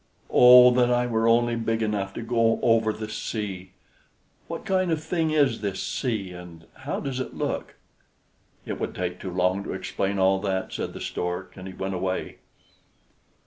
"Oh that I were only big enough to go over the sea! What kind of thing is this sea, and how does it look?" "It would take too long to explain all that," said the Stork, and he went away.